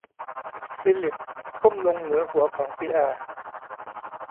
ฟิลลิปก้มลงเหนือหัวของปิแอร์